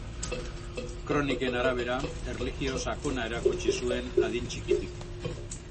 Kroniken arabera, erlijio sakona erakutsi zuen adin txikitik.